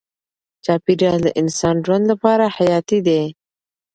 چاپیریال د انسان ژوند لپاره حیاتي دی.